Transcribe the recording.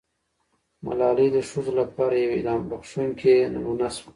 ملالۍ د ښځو لپاره یوه الهام بښونکې نمونه سوه.